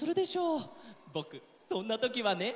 ぼくそんなときはね。